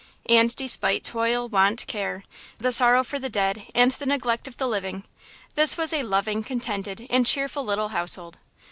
And, despite toil, want, care–the sorrow for the dead and the neglect of the living–this was a loving, contented and cheerful little household.